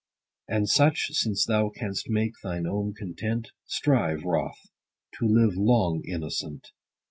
And such, since thou canst make thine own content, Strive, Wroth, to live long innocent.